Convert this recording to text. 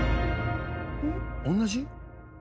同じ？